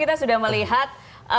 kita sudah melihat